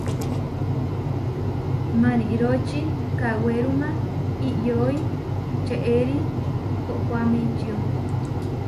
Maniroči kawéruma iʼyói čeʼéri koʼkoáme ičió.